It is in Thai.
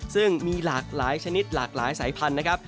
ซึ่งมีหลากหลายชนิดหลากหลายสายพันธุ์นะครับ